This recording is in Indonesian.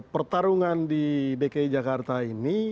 pertarungan di dki jakarta ini